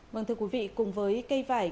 vâng thưa quý vị cùng với cây vải